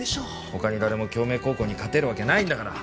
他に誰も京明高校に勝てるわけないんだから。